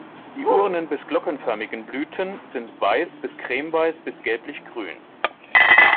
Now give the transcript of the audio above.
Die urnen- bis glockenförmigen Blüten sind weiß bis cremeweiß bis gelblich grün.